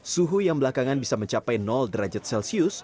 suhu yang belakangan bisa mencapai derajat celcius